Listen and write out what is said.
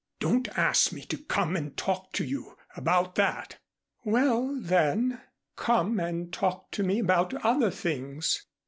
"Don't ask me to come and talk to you about that." "Well, then, come and talk to me about other things."